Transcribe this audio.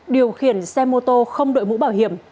điều khiển xe mô tô không đội mũ bảo hiểm